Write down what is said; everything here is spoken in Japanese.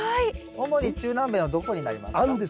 主に中南米のどこになりますか？